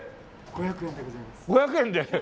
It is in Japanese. ５００円。